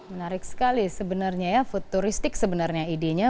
menarik sekali sebenarnya ya futuristik sebenarnya idenya